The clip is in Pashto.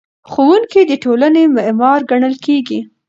ښوونکی د ټولنې معمار ګڼل کېږي.